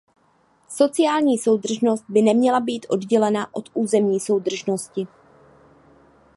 Sociální soudržnost by neměla být oddělena od územní soudržnosti.